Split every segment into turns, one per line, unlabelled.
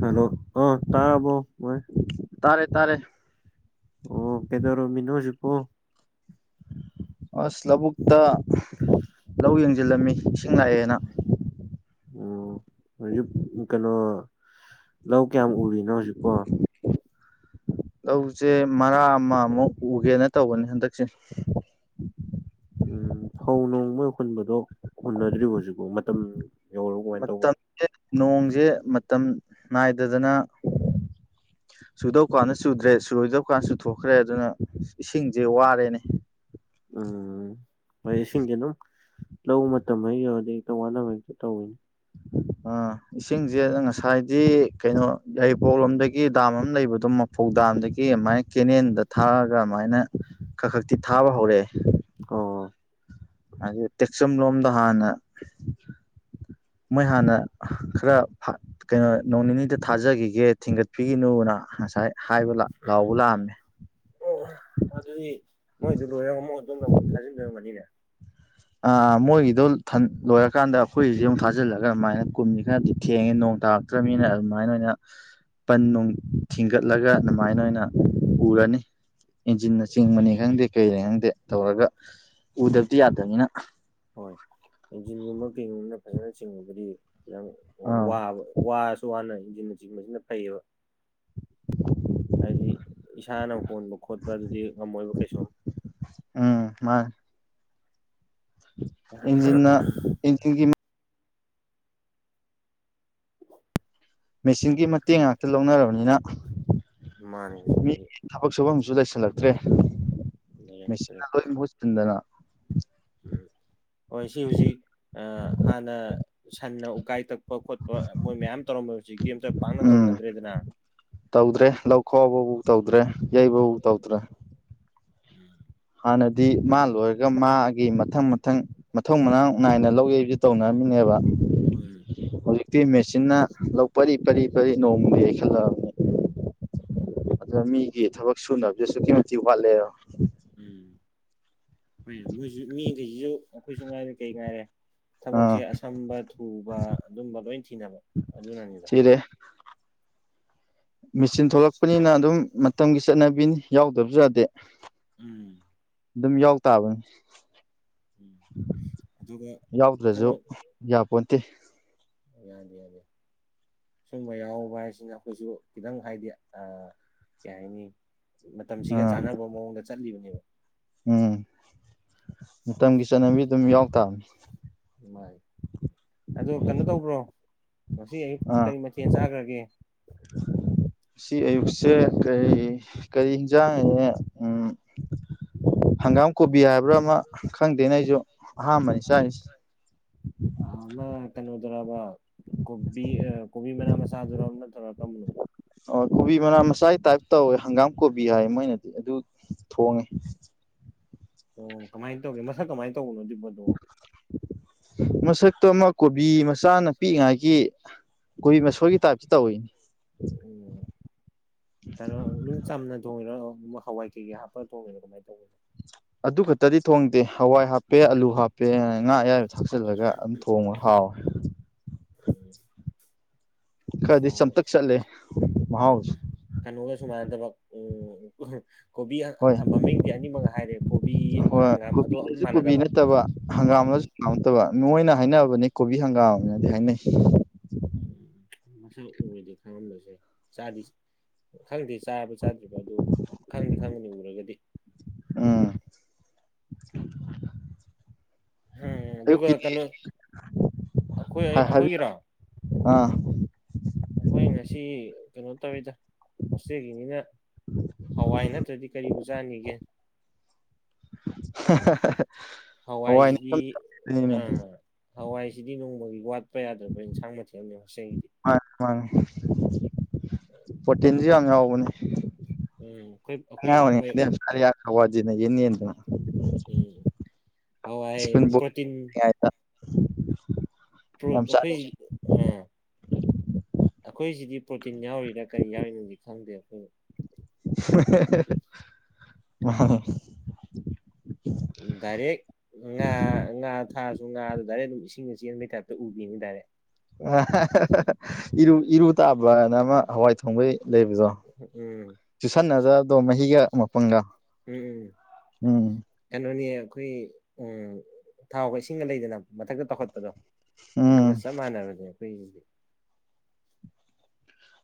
hello ꯑ ꯥ ꯇꯥꯔꯕ꯭ꯔꯣ ꯑꯕꯣꯏ
ꯇꯥꯔꯦ ꯇꯥꯔꯦ
ꯑꯣ ꯀꯩꯗꯧꯔꯝꯃꯤꯅꯣ ꯍꯧꯖꯛ ꯄꯣ
ꯑꯁ ꯂꯧꯕꯨꯛꯇ ꯂꯧ ꯌꯦꯡꯁꯤꯜꯂꯝꯃꯤ ꯏꯁꯤꯡ ꯂꯥꯛꯑꯦꯅ
ꯑꯣ ꯍꯧꯖꯤꯛ ꯀꯩꯅꯣ ꯂꯧ ꯀꯌꯥꯝ ꯎꯔꯤꯅꯣ ꯍꯧꯖꯤꯛꯄꯣ
ꯂꯧꯁꯦ ꯃꯔꯥꯛ ꯑꯃꯥꯃꯨꯛ ꯎꯒꯦꯅ ꯇꯧꯕꯅꯤ ꯍꯟꯗꯛꯁꯦ
ꯎꯝ ꯐꯧ ꯅꯣꯡ ꯂꯣꯏꯟ ꯍꯨꯟꯕꯗꯣ ꯍꯨꯟꯅꯗ꯭ꯔꯤꯕ ꯍꯧꯖꯤꯛꯐꯥꯎ ꯃꯇꯝ ꯌꯧꯔꯕ ꯀꯃꯥꯏꯅ ꯇꯧꯕꯅꯣ
ꯃꯇꯝꯁꯦ ꯅꯣꯡꯁꯦ ꯃꯇꯝ ꯅꯥꯏꯗꯥꯗꯅ ꯆꯨꯗꯧ ꯀꯥꯟꯗ ꯆꯨꯗ꯭ꯔꯦ ꯁꯨꯔꯣꯏꯗꯧ ꯀꯥꯟꯗ ꯆꯨꯊꯣꯛꯈ꯭ꯔꯦ ꯑꯗꯨꯅ ꯏꯁꯤꯡꯁꯦ ꯋꯥꯔꯦꯅꯦ
ꯎꯝ ꯍꯣꯏ ꯏꯁꯤꯡꯗꯤ ꯑꯗꯨꯝ ꯂꯧ ꯃꯇꯝ ꯍꯦꯛ ꯌꯧꯔꯗꯤ ꯍꯦꯛꯇ ꯋꯥꯅꯕꯅꯤ ꯇꯧꯏ
ꯑꯥ ꯏꯁꯤꯡꯁꯦ ꯉꯁꯥꯏꯗꯤ ꯀꯩꯅꯣ ꯌꯥꯏꯔꯤꯄꯣꯛꯂꯣꯝꯗꯒꯤ ꯗꯥꯝ ꯑꯃꯥ ꯂꯩꯕꯗꯨꯣ ꯐꯧꯗꯥꯝꯗꯒꯤ ꯑꯗꯨꯃꯥꯏꯟ ꯀꯦꯅꯦꯜꯗ ꯊꯥꯔꯒ ꯑꯗꯨꯃꯥꯏꯅ ꯀꯛ ꯀꯛꯇꯤ ꯊꯥꯕ ꯍꯧꯔꯦ
ꯑꯣ
ꯇꯦꯛꯆꯝ ꯂꯣꯝꯗ ꯍꯥꯟꯅ ꯃꯣꯏ ꯍꯥꯟꯅ ꯈꯔ ꯀꯩꯅꯣ ꯅꯣꯡ ꯅꯤꯅꯤꯗ ꯊꯥꯖꯈꯤꯒꯦ ꯊꯤꯡꯒꯠꯄꯤꯒꯤꯅꯨꯅ ꯉꯁꯥꯏ ꯍꯥꯏꯕ ꯂꯥꯎꯕ ꯂꯥꯛꯑꯝꯃꯦ
ꯑꯣ ꯑꯗꯨꯗꯤ ꯃꯣꯏꯗꯨ ꯂꯣꯏꯔ ꯃꯣꯏꯗꯨꯅ ꯑꯃꯨꯛ ꯊꯥꯖꯤꯟꯗꯣꯏ ꯑꯣꯏꯔꯝꯒꯅꯤꯅꯦ
ꯑꯥ ꯃꯣꯏꯒꯤꯗꯣ ꯂꯣꯏꯔꯀꯥꯟꯗ ꯑꯩꯈꯣꯏꯒꯤꯁꯦ ꯑꯃꯨꯛ ꯊꯥꯖꯤꯜꯂꯒ ꯑꯗꯨꯃꯥꯏꯅ ꯀꯨꯝꯁꯤ ꯈꯔꯗꯤ ꯊꯦꯡꯉꯦ ꯅꯣꯡꯇ ꯇꯥꯔꯛꯇꯝꯃꯤꯅ ꯑꯗꯨꯃꯥꯏꯟꯅ ꯑꯣꯏꯅ ꯄꯟ ꯅꯨꯡ ꯊꯤꯡꯒꯠꯂꯒ ꯑꯗꯨꯃꯥꯏꯅ ꯑꯣꯏꯅ ꯎꯔꯅꯤ ꯏꯟꯖꯤꯟꯅ ꯆꯤꯡꯕꯅꯤ ꯈꯪꯗꯦ ꯀꯩꯩꯅ ꯈꯪꯗꯦ ꯇꯧꯔꯒ ꯎꯗꯕꯗꯤ ꯌꯥꯗꯕꯅꯤꯅ
ꯍꯣꯏ ꯏꯟꯖꯤꯟꯒꯨꯝꯕ ꯀꯩꯒꯨꯝꯕꯅ ꯐꯖꯅ ꯆꯤꯡꯉꯕꯨꯗꯤ ꯌꯥꯝ
ꯑꯥ
ꯋꯥꯕ ꯋꯥꯔꯁꯨ ꯋꯥꯅ ꯏꯟꯖꯤꯟꯅ ꯆꯤꯡꯕꯁꯤꯅ ꯐꯩꯌꯦꯕ ꯍꯥꯏꯗꯤ ꯏꯁꯥꯅ ꯍꯣꯟꯕ ꯈꯣꯠꯄ ꯑꯗꯨꯗꯤ ꯉꯝꯃꯣꯏꯕ ꯀꯩꯁꯨ
ꯎꯝ ꯃꯥꯅꯦ ꯏꯟꯖꯤꯟꯅꯥ ꯏꯟꯖꯤꯟꯒꯤ ꯃꯦꯆꯤꯟꯒꯤ ꯃꯇꯦꯡ ꯉꯥꯛꯇ ꯂꯧꯅꯔꯕꯅꯤꯅ
ꯃꯥꯅꯦ
ꯃꯤ
ꯍꯧꯖꯤꯛꯄꯨꯗꯤ
ꯊꯕꯛ ꯁꯨꯐꯝꯁꯨ ꯂꯩꯁꯤꯜꯂꯛꯇ꯭ꯔꯦ
ꯂꯩꯔꯛꯇ꯭ꯔꯦ
ꯃꯦꯆꯤꯟꯅ ꯂꯣꯏ ꯃꯍꯨꯠ ꯁꯤꯟꯗꯅ
ꯎꯝ ꯍꯣꯏ ꯁꯤ ꯍꯧꯖꯤꯛ ꯑ ꯍꯥꯟꯅ ꯁꯟꯅ ꯎꯀꯥꯏ ꯇꯛ ꯈꯣꯠꯄ ꯈꯣꯠꯄ ꯃꯣꯏ ꯃꯌꯥꯝ ꯇꯧꯔꯝꯃꯤꯕꯁꯤ ꯍꯧꯖꯤꯛꯇꯤ ꯑꯝꯇ ꯄꯥꯛꯅ
ꯎꯝ
ꯇꯧꯅꯗ꯭ꯔꯦꯗꯅ
ꯇꯧꯗ꯭ꯔꯦ ꯂꯧꯈꯧꯕꯕꯨꯛ ꯇꯧꯗ꯭ꯔꯦ ꯌꯩꯕꯕꯨ ꯇꯧꯗ꯭ꯔꯦ
ꯎꯝ
ꯍꯥꯟꯅꯗꯤ ꯃꯥ ꯂꯣꯏꯔꯒ ꯃꯥꯒꯤ ꯃꯊꯪ ꯃꯊꯪ ꯃꯊꯧ ꯃꯅꯥꯎ ꯅꯥꯏꯅ ꯂꯧ ꯌꯩꯔꯁꯦ ꯇꯧꯅꯔꯝꯃꯤꯅꯦꯕ
ꯍꯣꯏ
ꯍꯧꯖꯤꯛꯇꯤ ꯃꯦꯆꯤꯟꯅ ꯂꯧ ꯄꯔꯤ ꯄꯔꯤ ꯄꯔꯤ ꯅꯣꯡꯃꯗꯤ ꯌꯩ ꯈꯜꯂꯛꯑꯕꯅꯤ ꯑꯗꯨꯅ ꯃꯤꯒꯤ ꯊꯕꯛ ꯁꯨꯅꯕꯗ ꯑꯁꯨꯛꯀꯤ ꯃꯇꯤꯛ ꯋꯥꯠꯂꯦꯕ
ꯎꯝ ꯍꯣꯏ ꯃꯣꯏꯁꯨ ꯃꯤꯈꯩꯁꯤꯁꯨ ꯑꯩꯈꯣꯏꯁꯨ ꯉꯥꯏꯔꯦ ꯀꯩ ꯉꯥꯏꯔꯦ ꯊꯕꯛꯁꯦ
ꯑꯥ
ꯑꯁꯝꯕ ꯊꯨꯕ ꯑꯗꯨꯝꯕ ꯂꯣꯏ ꯊꯤꯅꯕ ꯑꯗꯨꯅꯅꯤꯗ
ꯊꯤꯔꯦ ꯃꯦꯆꯤꯟ ꯊꯣꯛꯂꯛꯄꯅꯤꯅ ꯑꯗꯨꯝ ꯃꯇꯝꯒꯤ ꯆꯠꯅꯕꯤꯅꯤ ꯌꯥꯎꯗꯕꯁꯨ ꯌꯥꯗꯦ
ꯎꯝ
ꯑꯗꯨꯝ ꯌꯥꯎ ꯇꯥꯕꯅꯤ
ꯎꯝ ꯑꯗꯨꯒ
ꯌꯥꯎꯗ꯭ꯔꯁꯨ
ꯀꯩꯅꯣ
ꯌꯥꯄꯣꯟꯠꯇꯦ
ꯌꯥꯗꯦ ꯌꯥꯗꯦ ꯁꯨꯝꯕ ꯌꯥꯎꯍꯧꯕ ꯍꯥꯏꯁꯤꯅ ꯑꯩꯈꯣꯏꯁꯨ ꯈꯤꯇꯪ ꯍꯥꯏꯗꯤ ꯑ ꯀꯩ ꯍꯥꯏꯅꯤ ꯃꯇꯝꯁꯤꯒ
ꯑꯥ
ꯆꯥꯟꯅꯕ ꯃꯑꯣꯡꯗ ꯆꯠꯂꯤꯕꯅꯦꯕ
ꯎꯝ ꯃꯇꯝꯒꯤ ꯆꯠꯅꯕꯤ ꯑꯗꯨꯝ ꯌꯥꯎ ꯇꯥꯕꯅꯤ
ꯃꯥꯥꯅꯤ ꯑꯗꯣ ꯀꯩꯅꯣ ꯇꯧꯕ꯭ꯔꯣ ꯉꯁꯤ ꯑꯌꯨꯛ
ꯑꯥ
ꯀꯔꯤ ꯃꯊꯦꯜ ꯆꯥꯈ꯭ꯔꯒꯦ
ꯉꯥꯁꯤ ꯑꯌꯨꯛꯁꯦ ꯀꯔꯤ ꯀꯔꯤ ꯌꯦꯟꯁꯥꯡ ꯑꯦꯌꯦ ꯎ ꯍꯪꯒꯥꯝ ꯀꯣꯕꯤ ꯍꯥꯏꯕ꯭ꯔꯥ ꯑꯃ ꯈꯪꯗꯦꯅꯦ ꯑꯩꯁꯨ ꯑꯍꯥꯟꯕꯅꯤ ꯆꯥꯏꯔꯤꯁꯦ
ꯑꯃ ꯀꯩꯅꯣꯗꯨꯔꯕ ꯀꯣꯕꯤ ꯑ ꯀꯣꯕꯤ ꯃꯅꯥ ꯃꯆꯥꯗꯨꯔ ꯅꯠꯇ꯭ꯔꯒ ꯀꯝꯕꯅꯣ
ꯑꯣ ꯀꯣꯕꯤ ꯃꯅꯥ ꯃꯆꯥꯒꯤ ꯇꯥꯏꯞ ꯇꯧꯋꯦ ꯍꯪꯒꯥꯝ ꯀꯣꯕꯤ ꯍꯥꯏ ꯃꯣꯏꯅꯗꯤ ꯑꯗꯨ ꯊꯣꯡꯉꯦ
ꯑꯣ ꯀꯃꯥꯏꯅ ꯇꯧꯒꯦ ꯃꯁꯛ ꯀꯃꯥꯏꯅ ꯇꯧꯕꯅꯣ ꯑꯗꯨꯢ ꯄꯣꯠꯇꯨꯕꯣ
ꯃꯁꯛꯇꯣ ꯑꯃ ꯀꯣꯕꯤ ꯃꯆꯥꯅ ꯄꯤꯛꯏꯉꯥꯏꯒꯤ ꯀꯨꯕꯤ ꯃꯁꯣꯏꯒꯤ ꯇꯥꯏꯞꯇ ꯇꯧꯏ
ꯎꯝ ꯀꯩꯅꯣ ꯑꯗꯨꯝ ꯆꯝꯅ ꯊꯣꯡꯉꯤꯔꯣ ꯍꯋꯥꯏ ꯀꯩꯀꯩ ꯍꯥꯄꯒ ꯊꯣꯡꯉꯤꯔꯥ ꯀꯃꯥꯏꯅ ꯇꯧꯒꯦ
ꯑꯗꯨ ꯈꯛꯇꯗꯤ ꯊꯣꯡꯗꯦ ꯍꯋꯥꯏ ꯍꯥꯞꯄꯦ ꯑꯂꯨ ꯍꯥꯞꯄꯦ ꯉꯥ ꯑꯌꯥꯏꯕ ꯊꯥꯛꯆꯤꯜꯂꯒ ꯑꯗꯨꯝ ꯊꯣꯡꯉ ꯍꯥꯎꯋꯦ ꯈꯔꯗꯤ
ꯑꯣ
ꯆꯝꯊꯛ ꯆꯠꯂꯦ ꯃꯍꯥꯎ
ꯎꯝ ꯀꯩꯅꯣꯒ ꯁꯨꯃꯥꯟꯅꯗꯕ ꯎꯝ ꯀꯣꯕꯤ ꯑ
ꯍꯣꯏ
ꯑ ꯃꯃꯤꯡꯗꯤ ꯑꯅꯤꯃꯛ ꯍꯥꯏꯔꯦ ꯀꯣꯕꯤ
ꯍꯣꯏ
ꯍꯪꯒꯥꯝ ꯑꯗꯣ ꯑꯝ ꯃꯥꯟꯅꯗꯕ ꯑꯣ
ꯌꯥꯝꯇꯕ ꯃꯣꯏꯅ ꯍꯥꯏꯅꯕꯅꯦ ꯀꯣꯕꯤ ꯍꯪꯒꯥꯝꯅꯗꯤ ꯍꯥꯏꯅꯩ
ꯃꯁꯛ ꯎꯔꯗꯤ ꯈꯉꯝꯕꯁꯨ ꯌꯥꯏ ꯆꯥꯗꯤ ꯈꯪꯗꯦ ꯆꯥꯔꯕ ꯆꯥꯗ꯭ꯔꯤꯕ ꯑꯗꯨ ꯈꯪꯅꯤ ꯈꯪꯉꯅꯤ ꯎꯔꯒꯗꯤ
ꯎꯝ
ꯍꯝ ꯑꯗꯨꯒ
ꯑꯌꯨꯛꯀꯤꯗꯤ
ꯀꯩꯅꯣ ꯑꯩꯈꯣꯏ ꯑꯩ
ꯍꯥꯏ ꯍꯥꯏꯕꯤ
ꯑꯩꯈꯣꯏꯒꯤꯔꯣ
ꯑꯥ
ꯑꯩꯈꯣꯏ ꯉꯁꯤ ꯀꯩꯅꯣ ꯇꯧꯏꯗ ꯍꯣꯁꯇꯦꯜꯒꯤꯅꯤꯅ ꯍꯋꯥꯏ ꯅꯠꯇ꯭ꯔꯗꯤ ꯀꯔꯤꯕꯨ ꯆꯥꯅꯤꯒꯦ
ꯍꯋꯥꯏꯅ
ꯒꯤ ꯑ ꯍꯋꯥꯏꯁꯤꯗꯤ ꯅꯣꯡꯃꯒꯤ ꯋꯥꯠꯄ ꯌꯥꯗꯕ ꯏꯟꯁꯥꯡ ꯃꯊꯦꯜꯅꯦꯕ [unintelligible]
ꯃꯥꯅꯤ ꯃꯥꯅꯤ ꯄꯣꯔꯇꯤꯟꯁꯨ ꯌꯥꯝ ꯌꯥꯎꯕꯅꯤ
ꯎꯝ ꯑꯩꯈꯣꯏ ꯑꯩꯈꯣꯏ
ꯑꯉꯥꯡ
ꯍꯣꯏ
ꯑꯣꯏꯔꯤꯉꯩꯗ [unintelligible] ꯌꯦꯟ ꯌꯦꯟꯗꯅꯥ
ꯎꯝ ꯍꯥꯋꯥꯏ
ꯁ꯭ꯀꯨꯜ
ꯄ꯭ꯔꯣꯇꯤꯟ
[unintelligible]
[unintelligible]
ꯌꯥꯝ
ꯑꯩꯈꯣꯏ
ꯆꯥꯔꯤ
ꯑ ꯑꯩꯈꯣꯏ ꯁꯤꯗꯤ ꯄ꯭ꯔꯣꯇꯤꯟ ꯌꯥꯎꯔꯤꯔꯥ ꯀꯔꯤ ꯌꯥꯎꯔꯤꯅꯣꯗꯤ ꯈꯪꯗꯦ ꯑꯩꯈꯣꯏ
[unintelligible]
ꯗꯥꯏꯔꯦꯛ ꯉꯥ ꯉꯥ ꯊꯥꯛꯑꯥꯁꯨ ꯉꯥꯗꯨ ꯗꯥꯏꯔꯦꯛ ꯑꯗꯨꯝ ꯏꯁꯤꯡ ꯆꯦꯟꯕꯩ ꯇꯥꯏꯞꯇ ꯎꯕꯤꯅꯤ ꯗꯥꯏꯔꯦꯛ
ꯏꯔꯨ ꯏꯔꯨ [unintelligible] ꯑꯃ ꯍꯋꯥꯏ ꯊꯣꯡꯕꯩ ꯂꯩꯕꯗꯣ
ꯎꯝ ꯎꯝ
ꯆꯨꯁꯟꯅꯗꯕꯗꯣ ꯃꯍꯤꯒ ꯃꯄꯪꯒ
ꯎꯝ ꯎꯝ
ꯎꯝ
ꯀꯩꯅꯣꯅꯦ ꯑꯩꯈꯣꯏ ꯎꯝ ꯊꯥꯎꯒ ꯏꯁꯤꯡꯒ ꯂꯩꯗꯅ ꯃꯊꯛꯇ ꯇꯧꯈꯠꯄꯗꯣ ꯑꯗꯨꯒ
ꯎꯝ
ꯆꯞ ꯃꯥꯟꯅꯕꯅꯦ ꯑꯩꯈꯣꯏꯒꯤꯗꯤ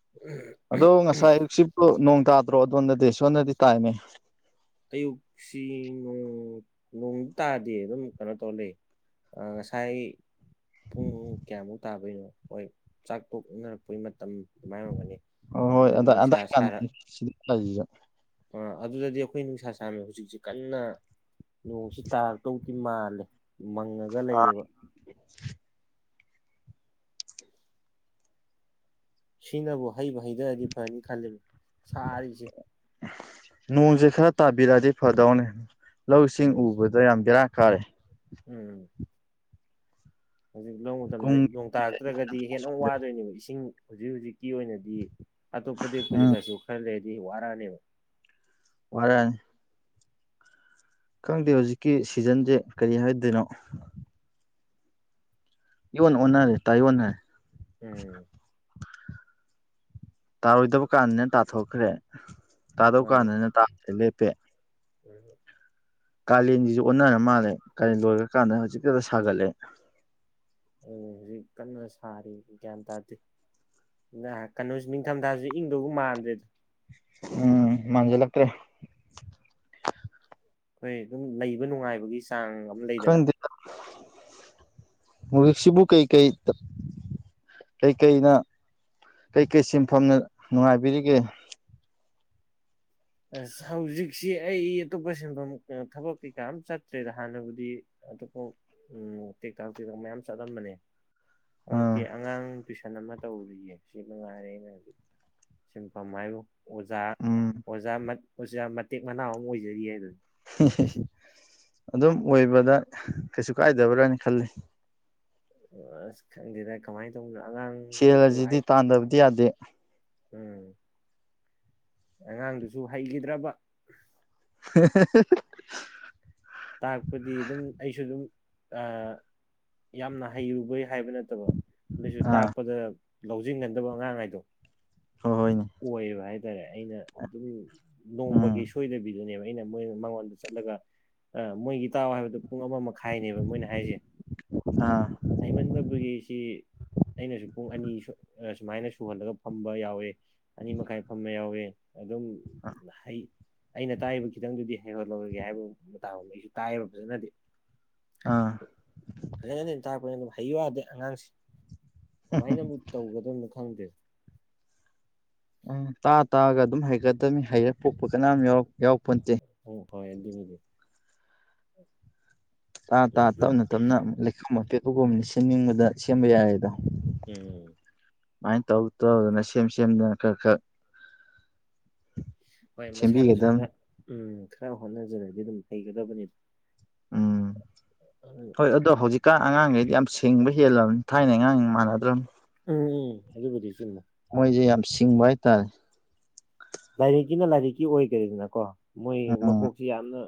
[unintelligible]
ꯑꯗꯣ ꯉꯁꯥꯏ ꯑꯌꯨꯛꯁꯤꯕꯣ ꯅꯣꯡ ꯇꯥꯗ꯭ꯔꯣ ꯑꯗꯣꯝꯗꯗꯤ ꯁꯣꯗꯗꯤ ꯇꯥꯏꯅꯦ
ꯑꯌꯨꯛꯁꯤ ꯅꯣꯡ ꯅꯣꯡꯗꯤ ꯇꯥꯗꯦ ꯑꯗꯨꯝ ꯀꯩꯅꯣ ꯇꯧꯔ ꯂꯩ ꯑ ꯉꯁꯥꯏ ꯄꯨꯡ ꯀꯌꯥꯃꯨꯛ ꯇꯥꯕꯩꯅꯣ ꯍꯣꯏ ꯆꯥꯛ ꯇꯣꯛꯅꯔꯛꯄꯩ ꯃꯇꯝ ꯑꯗꯨꯃꯥꯏꯅ ꯑꯣꯏꯔꯝꯒꯅꯤ
ꯑꯣ ꯍꯣꯏ ꯑ
ꯑꯗꯨꯗꯗꯤ ꯅꯨꯡꯁꯥ
ꯑꯗꯥꯏ ꯀꯥꯟꯗ ꯁꯤꯗ [unintelligible]
ꯑꯥ ꯑꯗꯨꯗꯗꯤ ꯑꯩꯈꯣꯏ ꯅꯨꯡꯁꯥ ꯁꯥꯔꯦ ꯍꯧꯖꯤꯛꯁꯤ ꯀꯟꯅ ꯅꯣꯡꯁꯤ ꯇꯥꯔꯛꯇꯧ ꯁꯤ ꯃꯥꯜꯂꯦ ꯃꯪꯉꯒ ꯂꯩꯌꯦꯕ ꯁꯤꯅꯕꯨ ꯍꯩꯕꯨ ꯍꯩꯗꯔꯗꯤ ꯐꯅꯤ ꯈꯜꯂꯤꯝ ꯁꯥꯔꯤꯁꯦ
ꯅꯣꯡꯁꯦ ꯈꯔ ꯇꯥꯕꯤꯔꯛꯑꯗꯤ ꯐꯗꯧꯅꯦ ꯂꯧ ꯁꯤꯡ
ꯎꯝ
ꯎꯕꯗ ꯌꯥꯝ ꯕꯦꯔꯥ ꯀꯥꯔꯦ
ꯎꯝ ꯍꯧꯖꯤꯛ ꯂꯧ ꯃꯇꯝꯗ
ꯀꯨꯡ
ꯅꯣꯡ ꯇꯥꯔꯛꯇ꯭ꯔꯒꯗꯤ ꯍꯦꯟꯅ ꯑꯃꯨꯛ ꯋꯥꯗꯣꯏꯅꯦꯕ ꯏꯁꯤꯡ ꯍꯧꯖꯤꯛ ꯍꯧꯖꯤꯛꯀꯤ ꯑꯣꯏꯅꯗꯤ ꯗꯤ ꯑꯇꯣꯞꯄꯗꯩꯩ
ꯎꯝ
ꯄꯨꯁꯤꯜꯂꯁꯨ ꯈꯔ ꯂꯩꯔꯗꯤ ꯋꯥꯔꯛꯑꯅꯤꯕ
ꯋꯥꯔꯛ ꯑꯅꯤ ꯈꯪꯗꯦ ꯍꯧꯖꯤꯛꯀꯤ ꯁꯤꯖꯟꯁꯦ ꯀꯔꯤ ꯍꯥꯏꯗꯣꯏꯅꯣ ꯏꯌꯣꯟ ꯑꯣꯟꯅꯔꯦ ꯇꯥꯏꯑꯣꯟ ꯅꯔꯦ
ꯎꯝ
ꯇꯥꯔꯣꯏꯗꯕ ꯀꯥꯟꯗꯅ ꯇꯥꯊꯣꯛꯈ꯭ꯔꯦ ꯇꯥꯗꯧ
ꯃꯥꯅꯦ
ꯀꯥꯟꯗꯅ ꯇꯥꯗꯔ꯭ꯦ ꯂꯦꯞꯄꯦ
[unintelligible]
ꯀꯥꯂꯦꯟꯁꯤꯁꯨ ꯑꯣꯟꯅꯔ ꯃꯥꯜꯂꯦ ꯀꯥꯂꯦꯟ ꯂꯣꯏꯈꯔꯀꯥꯟꯗ ꯍꯧꯖꯤꯛꯇ ꯗ ꯁꯥꯒꯠꯂꯦ
ꯑꯗꯨꯅꯤ ꯍꯧꯖꯤꯛ ꯀꯟꯅ ꯁꯥꯔꯤ ꯒ꯭ꯌꯥꯟ ꯇꯥꯗꯦ [unintelligible] ꯀꯩꯅꯣꯁꯤ ꯅꯤꯡꯊꯝꯊꯥꯁꯤ ꯏꯪꯗꯧꯒ ꯃꯥꯟꯗ꯭ꯔꯦꯗ
ꯎꯝ ꯃꯥꯟꯖꯤꯟꯂꯛꯇ꯭ꯔꯦ
ꯑꯩꯈꯣꯏ ꯑꯗꯨꯝ ꯂꯩꯕ ꯅꯨꯡꯉꯥꯏꯕꯒꯤ ꯆꯥꯡ ꯑꯃ ꯂꯩꯗꯅ
ꯈꯪꯗꯦꯗ ꯍꯨꯖꯤꯛꯁꯤꯕꯨ ꯀꯩꯀꯩ ꯀꯩꯀꯩꯅ ꯀꯩꯀꯩ ꯁꯤꯟꯐꯝꯅ ꯅꯨꯡꯉꯥꯏꯕꯤꯔꯤꯒꯦ
ꯑꯁ ꯍꯧꯖꯤꯛꯁꯤ ꯑꯩ ꯑꯇꯣꯞꯄ ꯁꯤꯟꯐꯝ ꯊꯕꯛ ꯀꯩꯀꯥ ꯑꯝ ꯆꯠꯇ꯭ꯔꯦꯗ ꯍꯥꯟꯅꯕꯨꯗꯤ ꯑꯗꯨꯐꯥꯎ ꯇꯦꯛꯇꯥꯛ ꯇꯦꯛꯇꯥꯛ ꯃꯌꯥꯝ ꯆꯠꯂꯝꯕꯅꯦ ꯍꯧꯖꯤꯛꯇꯤ
ꯑꯥ
ꯑꯉꯥꯡ ꯇꯨꯏꯁꯟ ꯑꯃ ꯇꯧꯔꯤꯌꯦ ꯁꯤ ꯃꯉꯥꯏꯔꯦ ꯑꯩꯅ ꯍꯧꯖꯤ ꯁꯤꯟꯐꯝ ꯍꯥꯏꯕꯨ ꯑꯣꯖꯥ
ꯎꯝ
ꯑꯣꯖꯥ ꯃꯠ ꯑꯣꯖꯥ ꯃꯇꯦꯛ ꯃꯅꯥꯎ ꯑꯃ ꯑꯣꯏꯖꯔꯤꯌꯦ ꯑꯗꯨꯗꯤ
[unintelligible] ꯑꯗꯨꯝ ꯑꯣꯏꯕꯗ ꯀꯩꯁꯨ ꯀꯥꯏꯗꯕ꯭ꯔꯥꯅ ꯈꯜꯂꯤ
ꯑꯁ ꯈꯪꯗꯤꯗ ꯀꯃꯥꯏꯅ ꯇꯧꯅꯣ ꯑꯉꯥꯡ
ꯁꯦꯜ ꯑꯁꯤꯗꯤ ꯇꯥꯟꯗꯕꯗꯤ ꯌꯥꯗꯦ
ꯎꯝ ꯑꯉꯥꯡꯗꯨꯁꯨ ꯍꯩꯈꯤꯗ꯭ꯔꯕ
[unintelligible]
ꯇꯥꯛꯄꯗꯤ ꯑꯗꯨꯝ ꯑꯩꯁꯨ ꯑꯗꯨꯝ ꯑ ꯌꯥꯝꯅ ꯍꯩꯔꯨꯕꯩ ꯍꯥꯏꯕ ꯅꯠꯇꯕ ꯑꯗꯩꯁꯨ
ꯑꯥ
ꯇꯥꯛꯄꯗ ꯂꯧꯁꯤꯟꯒꯟꯗꯕ ꯑꯉꯥꯡ ꯍꯥꯏꯗꯣ
ꯍꯣꯏ ꯍꯣꯏꯅꯦ
ꯑꯣꯏꯌꯦꯕ ꯍꯥꯏ ꯇꯔꯦ ꯑꯩꯅ ꯑꯗꯨꯝ
ꯎꯝ
ꯅꯣꯡꯃꯒꯤ ꯁꯣꯏꯗꯕꯤꯗꯨꯅꯦꯕ ꯑꯩꯅ ꯃꯣꯏ ꯃꯉꯣꯟꯗ ꯆꯠꯂꯒ ꯑ ꯃꯣꯏꯒꯤ ꯇꯥꯛꯑꯣ ꯍꯥꯏꯕꯗꯣ ꯄꯨꯡ ꯑꯃ ꯃꯈꯥꯏꯅꯦꯕ ꯃꯣꯏꯅ ꯍꯥꯏꯁꯦ
ꯑꯥ
ꯍꯩꯃꯟꯗꯕꯒꯤꯁꯤ ꯑꯩꯅꯁꯨ ꯄꯨꯡ ꯑꯅꯤ ꯁꯨ ꯑ ꯁꯨꯃꯥꯏꯅ ꯁꯨꯍꯜꯂꯒ ꯐꯝꯕ ꯌꯥꯎꯋꯦ ꯑꯅꯤ ꯃꯈꯥꯏ ꯐꯝꯕ ꯌꯥꯎꯏ ꯑꯗꯨꯝ ꯍꯩ ꯑꯩꯅ ꯇꯥꯛꯏꯕ ꯈꯤꯇꯪꯗꯨꯗꯤ ꯍꯩꯍꯜꯂꯧꯔꯒꯦ ꯍꯥꯏꯕ ꯃꯇꯥꯒꯨꯝ ꯑꯩꯁꯨ ꯇꯥꯛꯑꯦꯕ ꯐꯖꯅꯗꯤ
ꯑꯥ
ꯐꯖꯅꯗꯤ ꯇꯥꯛꯄꯅꯤ ꯑꯗꯨꯕꯨ ꯍꯩꯌꯨ ꯌꯥꯗꯦ ꯑꯉꯥꯡꯁꯤ ꯀꯃꯥꯏꯅꯕꯨ ꯇꯧꯒꯗꯕꯅꯣ ꯈꯪꯗꯦ
ꯎꯝ ꯇꯥꯛꯑ ꯇꯥꯛꯑꯒ ꯑꯗꯨꯝ ꯍꯩꯒꯗꯕꯅꯤ ꯍꯩꯔ ꯄꯣꯛꯄ ꯀꯅꯥꯝ ꯌꯥꯎ ꯌꯥꯎꯔꯛ ꯌꯥꯎꯄꯣꯟꯇꯦ
ꯎꯝ ꯍꯣꯏ ꯑꯗꯨꯕꯨꯗꯤ
ꯇꯥ ꯇꯥ ꯇꯞꯅ ꯇꯞꯅ ꯂꯩꯈꯣꯝ ꯑꯄꯦꯛꯄꯒꯨꯝꯕꯅ ꯁꯦꯝꯅꯤꯡꯕꯗ ꯁꯦꯝꯕ ꯌꯥꯏꯌꯦꯗꯣ
ꯎꯝ
ꯁꯨꯃꯥꯏꯟ ꯇꯧ ꯇꯧꯗꯅ ꯁꯦꯝ ꯁꯦꯝꯗꯅ ꯈꯔ ꯈꯔ
ꯍꯣꯏ ꯃꯁꯥꯅꯁꯨ ꯈꯔ
ꯁꯦꯝꯕꯤꯒꯗꯕꯅꯤ
ꯎꯝ ꯈꯔ ꯍꯣꯠꯅꯖꯔꯗꯤ ꯑꯗꯨꯝ ꯍꯩꯒꯗꯕꯅꯤꯗ
ꯎꯝ ꯍꯣꯏ ꯑꯗꯣ ꯍꯧꯖꯤꯛ ꯀꯥ ꯑꯉꯥꯡꯒꯩꯗꯤ ꯌꯥꯝ ꯁꯤꯡꯕ ꯍꯦꯜꯂꯕꯅꯤ ꯊꯥꯏꯅ ꯑꯉꯥꯡ ꯃꯥꯟꯅꯗ꯭ꯔꯕꯅꯤ
ꯎꯝ ꯑꯗꯨꯕꯨꯗꯤ ꯆꯨꯝꯃꯦ
ꯃꯣꯏꯖꯦ ꯌꯥꯝ ꯁꯤꯡꯕ ꯍꯥꯏꯇꯥꯔꯦ
ꯂꯥꯏꯔꯤꯛꯀꯤꯅ ꯂꯥꯏꯔꯤꯛꯀꯤ ꯑꯣꯏꯒ꯭ꯔꯦꯗꯅꯀꯣ ꯃꯣꯏ
ꯎꯝ
ꯃꯀꯣꯛꯁꯤ ꯌꯥꯝꯅ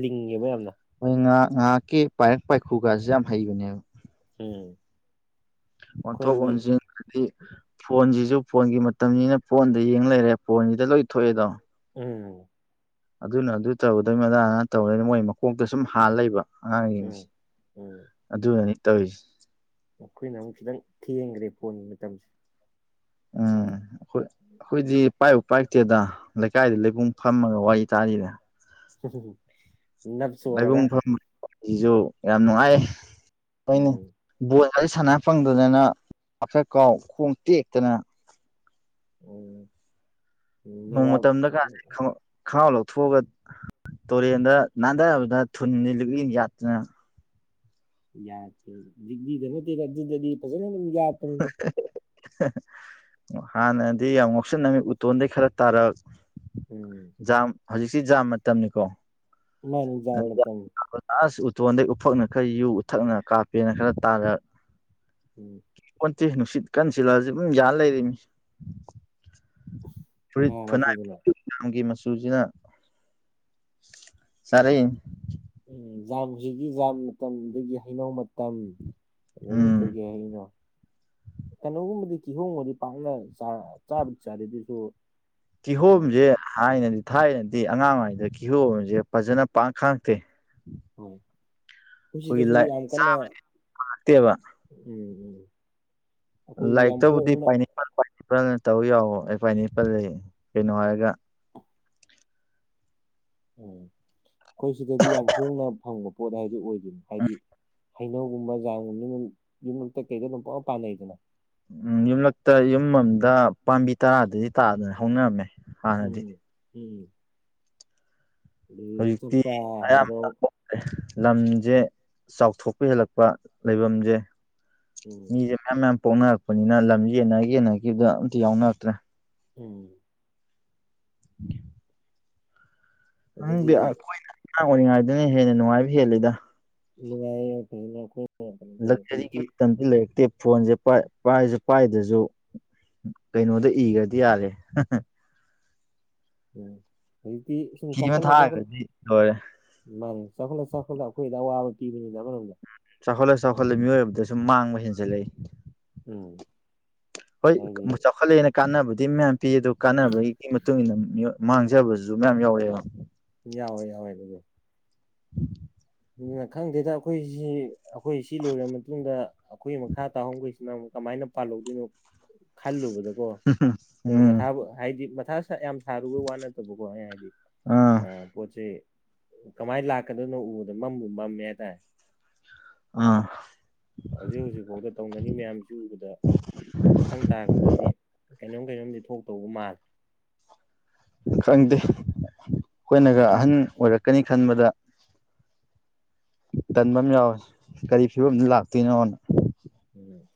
ꯂꯤꯡꯉꯦꯕ ꯌꯥꯝꯅ
ꯃꯣꯏ ꯉꯍꯥꯛ ꯉꯥꯏꯍꯥꯛꯀꯤ ꯄꯥꯏꯔꯛ ꯄꯥꯏꯈꯨꯒꯥꯁꯦ ꯌꯥꯝ ꯍꯩꯕꯅꯦꯕ
ꯎꯝ
ꯑꯣꯟꯊꯣꯛ
ꯑꯩꯈꯣꯏꯗꯤ
ꯑꯣꯟꯁꯤꯟ ꯍꯥꯏꯗꯤ ꯐꯣꯟꯁꯤꯁꯨ ꯐꯣꯟꯒꯤ ꯃꯇꯝꯅꯤꯅ ꯐꯣꯟꯗ ꯌꯦꯡ ꯂꯩꯔꯦ ꯐꯣꯟꯁꯤꯗ ꯂꯣꯏ ꯊꯣꯛꯑꯦꯗꯣ
ꯎꯝ
ꯑꯗꯨꯅ ꯑꯗꯨ ꯇꯧꯒꯗꯕꯅꯤ ꯑꯗꯥꯅ ꯑꯗꯥ ꯇꯧꯒꯗꯅꯤ ꯃꯣꯏ ꯃꯀꯣꯛꯇ ꯁꯨꯝ ꯍꯥꯥꯟ ꯂꯩꯕ
ꯎꯝ
ꯑꯉꯥꯡꯁꯤꯡꯁꯦ
ꯎꯝ
ꯑꯗꯨꯅꯅꯤ ꯇꯧꯏꯁꯦ
ꯑꯩꯈꯣꯏꯅ ꯑꯃꯨꯛ ꯈꯤꯇꯪ ꯊꯦꯡꯒ꯭ꯔꯦ ꯐꯣꯟꯒꯤ ꯃꯇꯝꯁꯦ
ꯎꯝ ꯑꯈꯣꯏ ꯑꯈꯣꯏꯗꯤ ꯄꯥꯏꯕꯨ ꯄꯥꯏꯔꯛꯇꯦꯗ ꯂꯩꯀꯥꯏꯗ ꯂꯩꯕꯨꯡ ꯐꯝꯃꯒ ꯋꯥꯔꯤ ꯇꯥꯔꯤꯗ
[unintelligible] ꯅꯞ ꯆꯣꯔꯒ
ꯂꯥꯏꯕꯨꯡ ꯐꯝꯕꯁꯤꯁꯨ ꯌꯥꯝ ꯅꯨꯡꯉꯥꯏꯌꯦ ꯍꯣꯏꯅꯦ
ꯎꯝ
ꯕꯣꯜꯒꯥꯖꯦ ꯁꯥꯟꯅ ꯐꯪꯗꯗꯅ ꯕꯥꯞ ꯈꯔ ꯀꯥꯎ ꯈꯣꯡ ꯇꯦꯛꯇꯅ
ꯎꯝ
ꯅꯣꯡ
ꯅꯋꯥꯞ
ꯃꯇꯝꯗꯒꯥꯁꯦ ꯈꯪ ꯈꯥꯎ ꯂꯧꯊꯣꯛꯑꯒ ꯇꯣꯔꯦꯟꯗ ꯅꯥꯟꯊꯕꯗ ꯊꯨꯟꯖꯦ ꯂꯤꯛꯂꯤꯅ ꯌꯥꯠꯇꯅ
ꯌꯥꯇꯦ ꯂꯤꯛꯂꯤꯗ ꯅꯠꯇꯦꯗ ꯑꯗꯨꯗꯗꯤ ꯐꯖꯅ ꯑꯗꯨꯝ ꯌꯥꯠꯄꯅꯤꯗ
ꯍꯥꯟꯅꯗꯤ ꯌꯥꯝ ꯉꯥꯎꯁꯟꯅꯔꯝꯃꯦ ꯎꯇꯣꯟꯗꯩ ꯈꯔ ꯇꯥꯔꯛ
ꯎꯝ
ꯖꯥꯝ ꯍꯧꯖꯤꯛꯁꯤ ꯖꯥꯝ ꯃꯇꯝꯅꯤꯀꯣ
ꯃꯥꯅꯤ ꯖꯥꯝ ꯃꯇꯝꯅꯤ
ꯑꯥꯁ ꯎꯇꯣꯟꯗꯩ ꯎꯐꯛꯅ ꯈꯔ ꯌꯨ ꯎꯊꯛꯅ ꯀꯥꯞꯄꯦꯅ ꯈꯔ ꯇꯥꯔꯛ
ꯎꯝ
ꯀꯣꯟꯇꯦ ꯅꯨꯡꯁꯤꯠ ꯀꯟ ꯁꯤꯜꯂꯛ ꯑꯁꯨ ꯑꯗꯨꯝ ꯌꯥꯟ ꯂꯩꯔꯤꯅꯤ ꯐꯨꯔꯤꯠ ꯐꯨꯅꯥꯏ
ꯅꯥꯔꯁꯨꯗꯅ
ꯖꯥꯝꯒꯤ ꯃꯆꯨꯖꯤꯅ ꯆꯥꯔꯛꯏꯅꯤ
ꯎꯝ ꯖꯥꯝ ꯍꯧꯖꯤꯛꯀꯤ ꯖꯥꯝ ꯃꯇꯝ ꯑꯗꯒꯤ ꯍꯩꯅꯧ ꯃꯇꯝ ꯑꯗꯒꯤ
ꯎꯝ
ꯀꯩꯀꯩ ꯍꯩꯅꯣ ꯀꯩꯅꯣꯒꯨꯝꯕꯗꯤ ꯀꯤꯍꯣꯝꯒꯨꯝꯕꯗꯤ ꯄꯥꯛꯅ ꯆꯥ ꯆꯥꯕꯨꯗꯤ ꯆꯥꯔꯛꯑꯦ ꯑꯗꯨꯑꯣꯏꯁꯨ
ꯀꯤꯍꯣꯝꯁꯦ ꯊꯥꯏꯅꯗꯤ ꯊꯥꯏꯅꯗꯤ ꯑꯉꯥꯡꯉꯩꯗ ꯀꯤꯍꯣꯝꯁꯦ ꯐꯖꯅ ꯄꯥꯛꯅ ꯈꯡꯉꯛꯇꯦ
ꯑꯧ ꯈꯣꯏ ꯁꯤꯗꯁꯨ
ꯂꯥꯏ
ꯌꯥꯝ ꯀꯟꯅ
ꯆꯥꯛꯇꯦꯕ
ꯎꯝ ꯎꯝ ꯑꯩꯈꯣꯏꯒꯤ ꯌꯥꯝ ꯄꯣꯛꯅ
ꯑꯦꯄꯜꯅ ꯇꯧ ꯌꯥꯑꯣ ꯑꯦ ꯄꯥꯏꯅꯦꯄꯜ ꯑꯌꯦ ꯀꯩꯅꯣ ꯍꯥꯏꯔꯒ
ꯑꯣ ꯑꯩꯈꯣꯏ ꯁꯤꯗꯗꯤ ꯌꯥꯝ ꯍꯣꯡꯅ ꯐꯪꯕ ꯄꯣꯠ ꯍꯥꯏꯗꯨ ꯑꯣꯏꯗꯣꯏꯅꯦ ꯍꯥꯏꯗꯤ ꯍꯩꯅꯧꯒꯨꯝꯕ ꯖꯥꯝꯒꯨꯝꯕꯗꯤ ꯗꯨꯝ ꯌꯨꯝꯂꯛꯇ ꯀꯩꯗ ꯄꯪꯄꯥꯟ ꯄꯥꯟꯅꯩꯗꯅ
ꯎꯝ ꯌꯨꯝꯂꯛꯇ ꯌꯨꯝ ꯑꯃꯃꯝꯗ ꯄꯥꯝꯕꯤ ꯇꯔꯥꯗꯩꯗꯤ ꯇꯥꯗꯅ ꯍꯧꯅꯕꯅꯦ
ꯎꯝ ꯎꯝ ꯎꯝ
ꯍꯧꯖꯤꯛꯇꯤ
ꯆꯠꯄ꯭ꯔꯥ ꯍꯥꯏꯔꯣ
ꯑꯌꯥꯝꯕ ꯂꯝꯁꯦ ꯆꯥꯎꯊꯣꯛꯄ ꯍꯦꯜꯂꯛꯄ ꯂꯩꯕꯝꯖꯦ
ꯎꯝ
ꯃꯤꯁꯦ ꯃꯌꯥꯝ ꯃꯌꯥꯝ ꯄꯣꯛꯅꯔꯛꯄꯅꯤꯅ ꯂꯝꯁꯦ ꯌꯦꯟꯅ ꯌꯦꯟꯅꯈꯤꯕꯗ ꯑꯝꯇ ꯌꯥꯎꯅꯔꯛꯇ꯭ꯔꯦ
ꯎꯝ
ꯈꯪꯗꯦ
ꯑꯗꯒꯤ
ꯑꯩꯈꯣꯏꯅ ꯑꯉꯥꯡ ꯑꯣꯏꯔꯤꯉꯥꯏꯗꯨꯅ ꯍꯦꯟꯅ ꯅꯨꯡꯉꯥꯏꯕ ꯍꯦꯜꯂꯤꯗ
ꯑꯗꯨꯅꯦ ꯑꯩ [unintelligible] ꯑꯈꯣꯏ
ꯂꯛꯖꯔꯤꯒꯤ ꯃꯇꯝꯗꯤ ꯂꯩꯔꯛꯇꯦ ꯐꯣꯟꯁꯦ ꯄꯥꯏ ꯄꯥꯏꯔꯖꯨ ꯄꯥꯏꯗ꯭ꯔꯁꯨ ꯀꯩꯅꯣꯗ ꯏꯒ꯭ꯔꯗꯤ ꯌꯥꯔꯦ
ꯎꯝ ꯍꯧꯖꯤꯛꯇꯤ ꯁꯨꯝ
ꯐꯤ ꯑꯃ
ꯆꯥꯎꯈꯠꯂ ꯆꯥꯎꯈꯠꯂ
ꯊꯥꯈ꯭ꯔꯗꯤ ꯂꯣꯏꯔꯦ
ꯃꯥꯅꯦ ꯆꯥꯎꯈꯠꯂ ꯆꯥꯎꯈꯠꯂ ꯑꯩꯈꯣꯏꯗ ꯑꯋꯥꯕ ꯄꯤꯕꯅꯤꯗ ꯑꯃꯔꯣꯝꯗ
ꯆꯥꯎꯈꯠꯂ ꯆꯥꯎꯈꯠꯂ ꯃꯤꯑꯣꯏꯕꯗ ꯁꯨꯨꯝ ꯃꯥꯡꯕ ꯍꯦꯟꯖꯜꯂꯛꯏ
ꯎꯝ
ꯍꯣꯏ
ꯍꯥꯏꯗꯤ
ꯃꯨꯛ ꯆꯥꯎꯈꯠꯂꯛꯑꯦꯅ ꯀꯥꯟꯅꯕꯗꯤ ꯃꯌꯥꯝ ꯄꯤ ꯑꯗꯨ ꯀꯥꯟꯅꯕꯒꯤ ꯃꯇꯨꯡ ꯏꯟꯅ ꯃꯥꯡꯖꯕꯁꯨ ꯃꯌꯥꯝ ꯌꯥꯎꯔꯛꯑꯦꯕ
ꯌꯥꯎꯋꯦ ꯌꯥꯎꯋꯦ ꯑꯗꯨꯕꯨꯗꯤ
[inaudible]
ꯑꯗꯨꯅ ꯈꯪꯗꯦꯗ ꯑꯩꯈꯣꯏꯁꯤ ꯑꯩꯈꯣꯏ ꯁꯤ ꯂꯣꯏꯔꯕ ꯃꯇꯨꯡꯗ ꯑꯩꯈꯣꯏ ꯃꯈꯥ ꯇꯥꯍꯧꯈꯩꯁꯤ ꯅꯨ ꯀꯃꯥꯏꯅ ꯄꯥꯜꯍꯧꯗꯣꯏꯅꯣ ꯈꯜꯂꯨꯕꯗꯀꯣ ꯑꯩꯈꯣꯏ
ꯎꯝ
ꯃꯊꯥꯕꯨ ꯍꯥꯏꯗꯤ ꯃꯊꯥ ꯌꯥꯝ ꯁꯥꯔꯨꯕ ꯋꯥ ꯅꯠꯇꯕꯀꯣ ꯑꯩꯅ ꯍꯥꯏꯗꯤ
ꯑꯥ
ꯄꯣꯠꯁꯦ ꯀꯃꯥꯏꯟ ꯂꯥꯛꯀꯗꯣꯏꯅꯣ ꯎꯕꯗ ꯃꯝꯕꯨ ꯃꯝꯃꯦ ꯍꯥꯏꯇꯥꯔꯦ
ꯑꯥ
ꯍꯧꯖꯤꯛ ꯍꯧꯖꯤꯛꯐꯥꯎꯗ ꯇꯧꯅꯔꯤ ꯃꯌꯥꯝꯁꯤ ꯎꯕꯗ ꯃꯊꯪ ꯇꯥꯔꯛꯄꯗꯗꯤ ꯀꯩꯅꯣꯝ ꯀꯩꯅꯣꯝꯗꯤ ꯊꯣꯛꯇꯧꯕ ꯃꯥꯜꯂꯦ
ꯈꯪꯗꯦ ꯑꯩꯈꯣꯏꯅꯒ ꯑꯍꯟ ꯑꯣꯏꯔꯛꯀꯅꯤ ꯈꯟꯕꯗ ꯇꯟꯕꯝ ꯌꯥꯎꯋꯦ ꯀꯔꯤ ꯐꯤꯕꯝꯗ
ꯎꯝ
ꯂꯥꯛꯇꯣꯏꯅꯣꯅ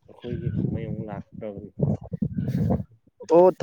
ꯑꯩꯈꯣꯏꯒꯤ ꯀꯨꯝꯍꯩ ꯑꯃꯨꯛ ꯂꯥꯛꯇ꯭ꯔꯕꯅꯤ
ꯑꯣ